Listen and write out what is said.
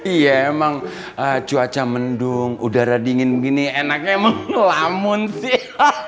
iya emang cuaca mendung udara dingin begini enaknya emang lamun sih